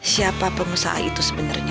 siapa pengusaha itu sebenarnya